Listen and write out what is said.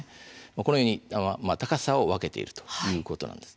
このように高さを分けているということなんです。